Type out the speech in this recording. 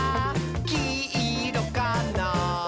きいろかな？」